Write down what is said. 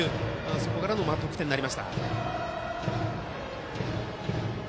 そこからの得点になりましたね。